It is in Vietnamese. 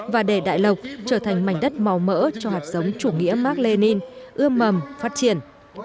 và để đại lộc trở thành mảnh đất màu mỡ cho hạt giống chủ nghĩa mark lenin ươm mầm phát triển